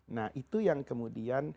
nah itu yang kemudian